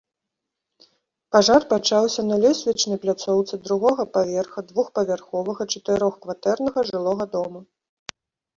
Пажар пачаўся на лесвічнай пляцоўцы другога паверха двухпавярховага чатырохкватэрнага жылога дома.